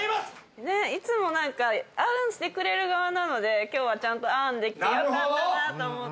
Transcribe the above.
いつもなんかあんしてくれる側なので今日はちゃんとあんできてよかったなと思って。